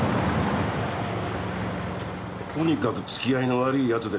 とにかく付き合いの悪い奴でしたよ